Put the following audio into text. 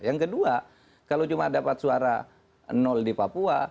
yang kedua kalau cuma dapat suara nol di papua